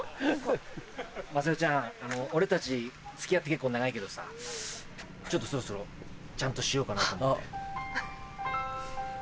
雅代ちゃん俺たち付き合って結構長いけどさちょっとそろそろちゃんとしようかなと思ってる。